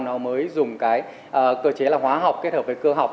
nó mới dùng cái cơ chế là hóa học kết hợp với cơ học